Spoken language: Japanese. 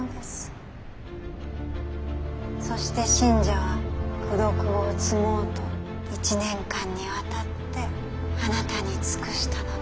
そして信者は功徳を積もうと１年間にわたってあなたに尽くしたのです。